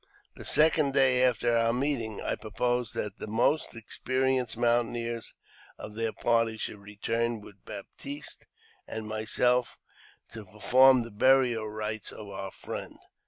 The second day after our meeting, I proposed that the mosi experienced mountaineers of their party should return with Baptiste and myself to perform the burial rites of our friend.